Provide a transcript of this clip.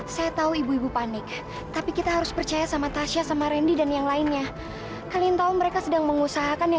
sampai jumpa di video selanjutnya